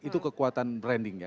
itu kekuatan branding ya